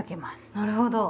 なるほど。